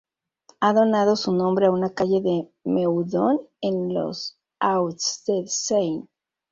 Ha donado su nombre a una calle de Meudon en los Hauts-de-Seine.